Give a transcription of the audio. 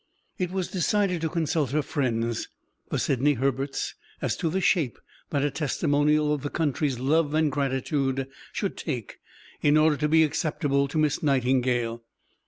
It was decided to consult her friends, the Sidney Herberts, as to the shape that a testimonial of the country's love and gratitude should take in order to be acceptable to Miss Nightingale.